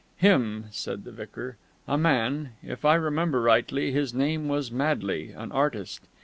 "Him," said the vicar. "A man. If I remember rightly, his name was Madley; an artist.